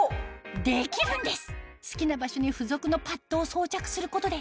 できるんです！